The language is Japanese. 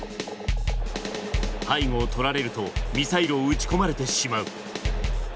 背後を取られると、ミサイルを撃ち込まれてしまう。